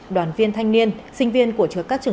đoàn viên thanh niên sinh viên của trường các trường